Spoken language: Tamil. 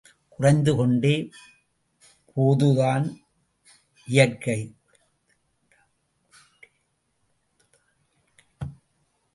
குறைந்துகொண்டே போதுதான் இயற்கை.